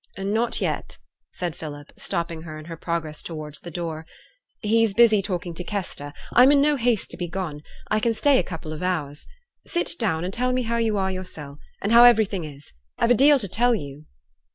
'Not yet,' said Philip, stopping her in her progress towards the door. 'He's busy talking to Kester. I'm in no haste to be gone. I can stay a couple of hours. Sit down, and tell me how you are yoursel' and how iverything is. And I've a deal to tell you.'